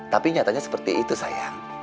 tapi nyatanya seperti itu sayang